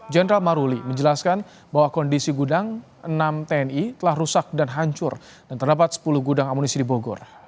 jenderal maruli menjelaskan bahwa kondisi gudang enam tni telah rusak dan hancur dan terdapat sepuluh gudang amunisi di bogor